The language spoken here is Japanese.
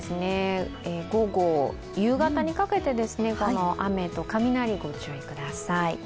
午後、夕方にかけて雨と雷、ご注意ください。